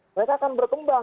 mereka akan berkembang